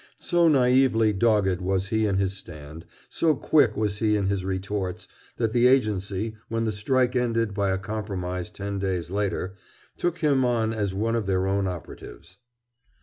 So naïvely dogged was he in his stand, so quick was he in his retorts, that the agency, when the strike ended by a compromise ten days later, took him on as one of their own operatives.